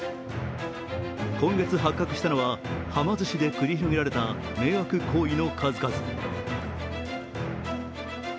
今月発覚したのは、はま寿司で繰り広げられた迷惑行為の数々。